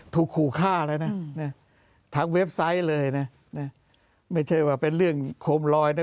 ถูกขู่ฆ่าแล้วนะทางเว็บไซต์เลยนะไม่ใช่ว่าเป็นเรื่องโคมลอยนะ